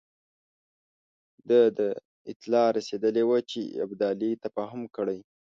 ده ته اطلاع رسېدلې وه چې ابدالي تفاهم کړی.